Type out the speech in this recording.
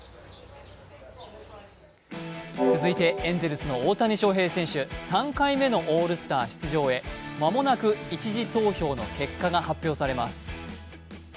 続いてのエンゼルスの大谷翔平選手、３回目のオールスター出場へ、間もなく１次投票の結果が発表されます。